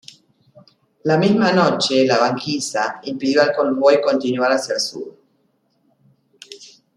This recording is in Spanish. La misma noche, la banquisa impidió al convoy continuar hacia el sur.